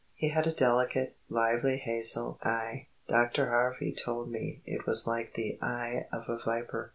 *] "He had a delicate, lively hazel eie; Dr. Harvey told me it was like the eie of a viper."